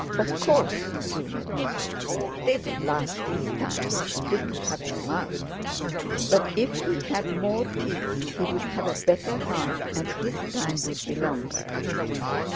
Of course—June admitted—they would last his time if he didn't have them out! But if he had more teeth he would have a better heart and his time would be longer.